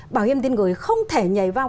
bảo hiểm tiền gửi không thể nhảy vào